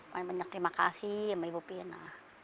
banyak banyak terima kasih sama ibu vina